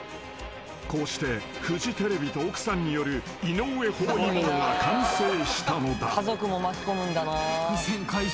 ［こうしてフジテレビと奥さんによる井上包囲網が完成したのだ］